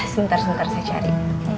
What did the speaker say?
sebentar sebentar saya cari